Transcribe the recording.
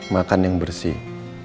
makan yang bersih